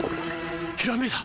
ひらめいた！